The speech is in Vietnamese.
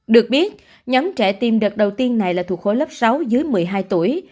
được biết nhóm trẻ tiêm đợt đầu tiên này là thuộc khối lớp sáu dưới một mươi hai tuổi